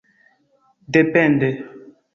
depende